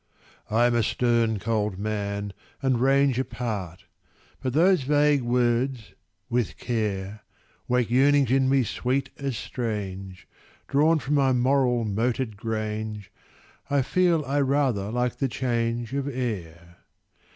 I am a stern cold man, and range Apart: but those vague words "With care" Wake yearnings in me sweet as strange: Drawn from my moral Moated Grange, I feel I rather like the change Of air.